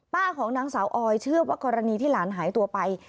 ของนางสาวออยเชื่อว่ากรณีที่หลานหายตัวไป